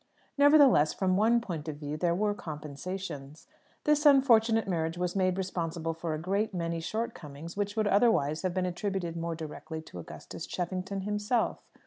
Nevertheless, from one point of view there were compensations. This unfortunate marriage was made responsible for a great many shortcomings, which would otherwise have been attributed more directly to Augustus Cheffington himself.